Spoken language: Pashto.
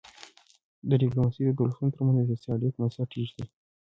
ډیپلوماسي د دولتونو ترمنځ د سیاسي اړیکو بنسټ ایږدي.